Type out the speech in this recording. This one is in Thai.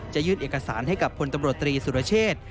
ยื่นเอกสารให้กับพลตำรวจตรีสุรเชษ